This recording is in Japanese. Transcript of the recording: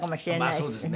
そうですね。